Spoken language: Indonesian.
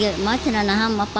tidak ada apa apa